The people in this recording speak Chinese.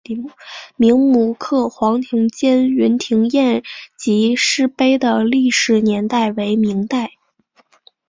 明摹刻黄庭坚云亭宴集诗碑的历史年代为明代。